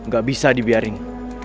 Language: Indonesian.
gak bisa dibiaring